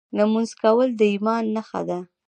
لمونځ کول د ایمان نښه ده .